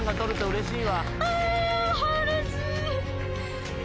うれしい。